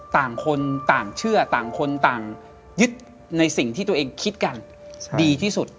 ต่างคนต่างเชื่อต่างคนต่างยึดในสิ่งที่ตัวเองคิดกันดีที่สุด